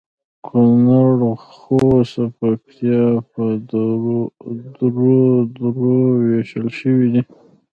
کونړ ، خوست او پکتیا په درو درو ویشل شوي دي